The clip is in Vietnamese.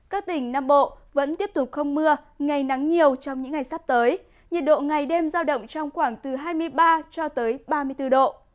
các tỉnh nam bộ vẫn tiếp tục không mưa ngày nắng nhiều trong những ngày sắp tới nhiệt độ ngày đêm giao động trong khoảng từ hai mươi ba cho tới ba mươi bốn độ